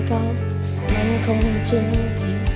จนถึงวันเกาะมันคงจริง